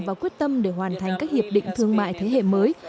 và quyết tâm để hoàn thành các hiệp định thương mại thế hệ mới